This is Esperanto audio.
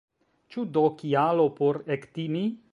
Ĉu do kialo por ektimi?